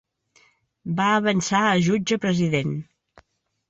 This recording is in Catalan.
Va avançar a Jutge President.